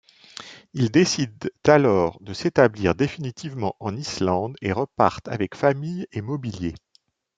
Ils décident alors de s'établir définitivement en Islande et repartent avec familles et mobiliers.